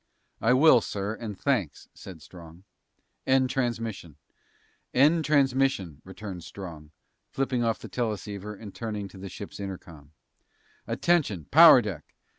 "I will, sir, and thanks!" said Strong. "End transmission!" "End transmission," returned Strong, flipping off the teleceiver and turning to the ship's intercom. "Attention, power deck!